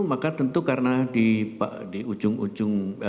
maka tentu karena di ujung ujung